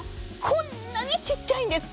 こんなにちっちゃいんです。